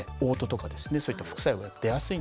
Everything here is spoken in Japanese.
そういった副作用が出やすいんですよね。